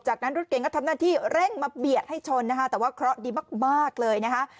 จากนั้นรถเก่งก็ทำหน้าที่เร่งมาเบียดให้ชนนะคะแต่ว่าเคราะห์ดีมากเลยนะคะ